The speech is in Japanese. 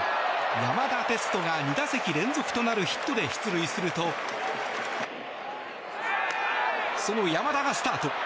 山田哲人が２打席連続となるヒットで出塁するとその山田がスタート。